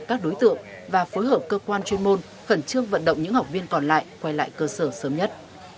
các đối tượng và phối hợp cơ quan chuyên môn khẩn trương vận động những học viên còn lại quay lại cơ sở sớm nhất